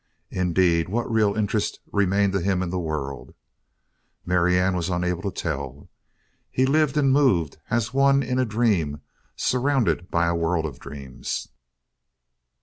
Indeed, what real interest remained to him in the world, Marianne was unable to tell. He lived and moved as one in a dream surrounded by a world of dreams.